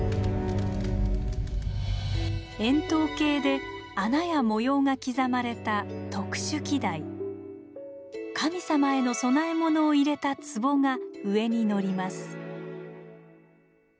円筒形で穴や模様が刻まれた神様への供え物を入れた壺が上にのります。